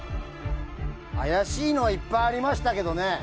怪しいのはいっぱいありましたけどね。